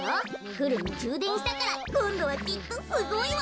フルにじゅうでんしたからこんどはきっとすごいわ。